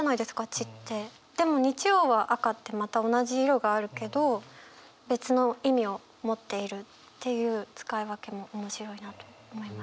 でも日曜は「赤」ってまた同じ色があるけど別の意味を持っているっていう使い分けも面白いなと思いました。